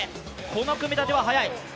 この組み立ては速い。